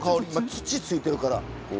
土ついてるから。